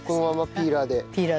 ピーラーで。